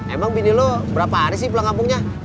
emang bini lo berapa hari sih pulang kampungnya